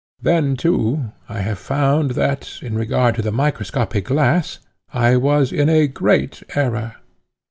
Then too I have found that, in regard to the microscopic glass, I was in a great error.